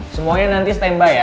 semuanya nanti standby ya